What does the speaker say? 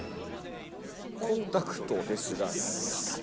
コンタクトですがなにか。